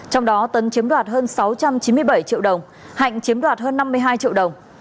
trong đó tấn chiếm đoạt hơn sáu trăm chín mươi bảy triệu đồng hạnh chiếm đoạt hơn năm mươi hai triệu đồng